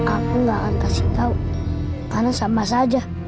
aku gak akan kasih tahu karena sama saja